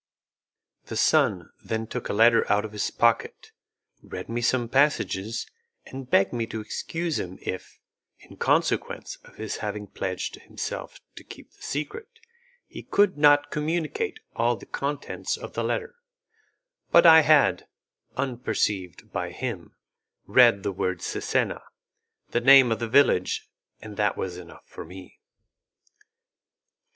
The son then took a letter out of his pocket, read me some passages, and begged me to excuse him if, in consequence of his having pledged himself to keep the secret, he could not communicate all the contents of the letter; but I had, unperceived by him, read the word Cesena, the name of the village, and that was enough for me.